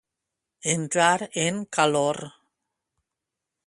Entrar en calor.